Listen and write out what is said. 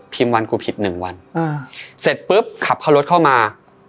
วันกูผิดหนึ่งวันเสร็จปุ๊บขับเข้ารถเข้ามา